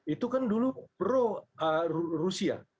itu kan dulu pro rusia